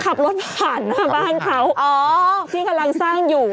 ขับรถผ่านบ้านเขาที่กำลังสร้างอยู่